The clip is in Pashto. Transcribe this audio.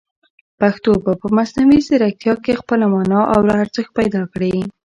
پښتو به په مصنوعي ځیرکتیا کې خپله مانا او ارزښت پیدا کړي.